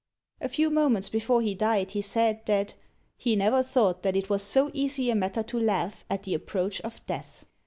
A few moments before he died, he said, that "he never thought that it was so easy a matter to laugh at the approach of death."